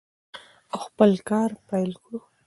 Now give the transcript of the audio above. او خپل کار پیل کړو.